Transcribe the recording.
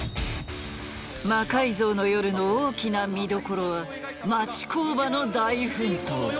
「魔改造の夜」の大きな見どころは町工場の大奮闘。